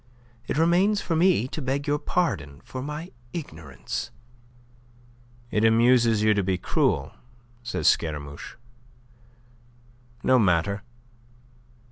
It remains for me to beg your pardon for my ignorance." "It amuses you to be cruel," said Scaramouche. "No matter.